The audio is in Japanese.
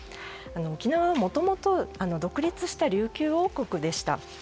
沖縄はもともと独立した琉球王国でした。